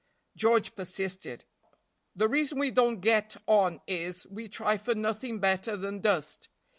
George persisted. "The reason we don't get on is we try for nothing better than dust.